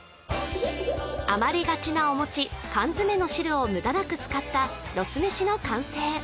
余りがちなお餅缶詰の汁を無駄なく使ったロスめしの完成